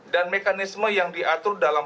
dan mekanisme yang diatur dalam